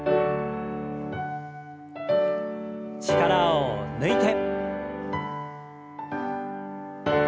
力を抜いて。